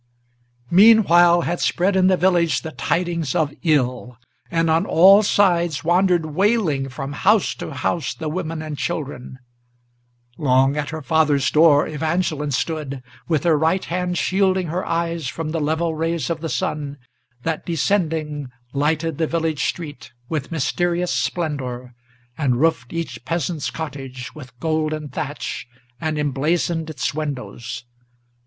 Meanwhile had spread in the village the tidings of ill, and on all sides Wandered, wailing, from house to house the women and children. Long at her father's door Evangeline stood, with her right hand Shielding her eyes from the level rays of the sun, that, descending, Lighted the village street with mysterious splendor, and roofed each Peasant's cottage with golden thatch, and emblazoned its windows.